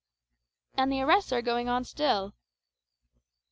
"And the arrests are going on still."